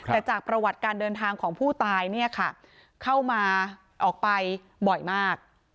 แต่จากประวัติการเดินทางของผู้ตายเนี่ยค่ะเข้ามาออกไปบ่อยมาก